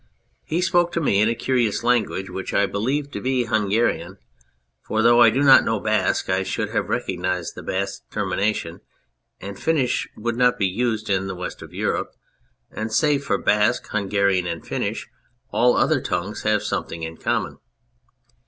He spoke to me in a curious language which I believed to be Hungarian for though I do not know Basque I should have recognised the Basque terminations, and Finnish would not be used in the West of Europe, and save for Basque, Hungarian, and Finnish all other tongues have something in common.